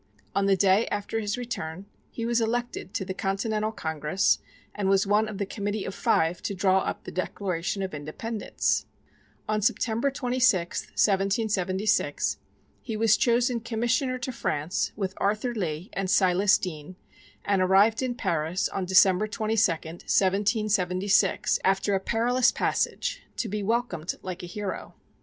On the day after his return he was elected to the Continental Congress, and was one of the committee of five to draw up the Declaration of Independence. On September 26, 1776, he was chosen commissioner to France with Arthur Lee and Silas Deane, and arrived in Paris on December 22, 1776, after a perilous passage, to be welcomed like a hero.